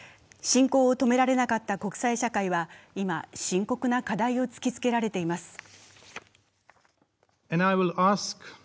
侵攻を止められなかった国際社会は今、深刻な課題を突きつけられています。